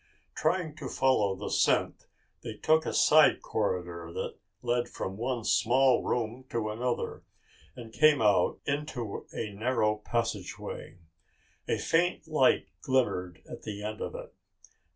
Trying to follow the scent they took a side corridor that led from one small room to another, and came out into a narrow passageway. A faint light glimmered at the end of it.